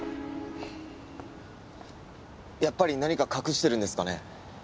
やっぱり何か隠してるんですかね？